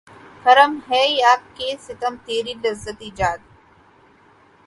کرم ہے یا کہ ستم تیری لذت ایجاد